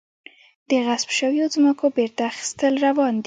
د غصب شویو ځمکو بیرته اخیستل روان دي؟